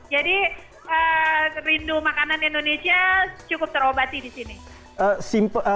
jadi rindu makanan indonesia cukup terobati disini